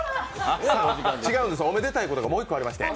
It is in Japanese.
違うんです、おめでたいことがもう１個ありまして。